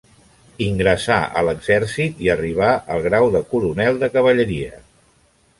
Ingressà a l'exèrcit i arribà al grau de coronel de cavalleria.